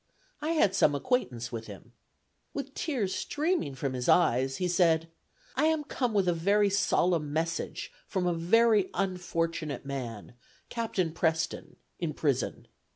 I had some acquaintance with him. With tears streaming from his eyes, he said, 'I am come with a very solemn message from a very unfortunate man, Captain Preston, in prison.